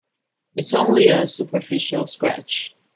It's only a superficial scratch.